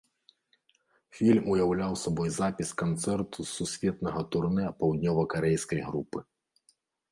Фільм уяўляў сабой запіс канцэрту з сусветнага турнэ паўднёвакарэйскай групы.